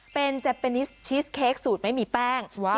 เป็นเจเปนิสชีสเค้กสูตรไม่มีแป้ง